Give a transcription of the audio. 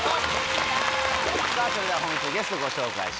さぁそれでは本日のゲストご紹介します。